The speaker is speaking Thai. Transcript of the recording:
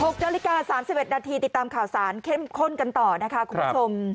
๖นาฬิกา๓๑นาทีติดตามข่าวสารเข้มข้นกันต่อนะคะคุณผู้ชม